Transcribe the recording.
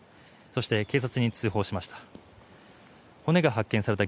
そして、警察に通報しました。